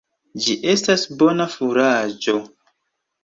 Ĝi estas bona furaĝo.